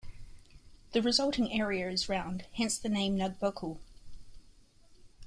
The resulting area is round, hence the name Nagbukel.